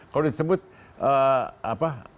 kalau disebut apa